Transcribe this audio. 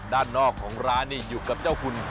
ด้านนอกของร้านนี่อยู่กับเจ้าคุณ